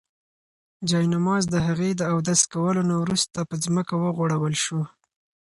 جاینماز د هغې د اودس کولو څخه وروسته په ځمکه وغوړول شو.